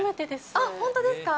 あっ、本当ですか。